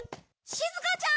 しずかちゃん！